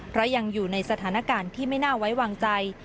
เพราะยังอยู่ในสถานการณ์ที่ไม่น่าไว้วางใจ